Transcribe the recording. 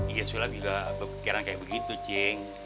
iya sulap juga berpikiran kayak begitu cing